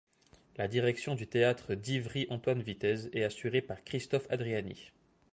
La direction du Théâtre d'Ivry Antoine Vitez est assurée par Christophe Adriani.